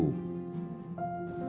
terdakwa menjadi ajudan ferdi sambo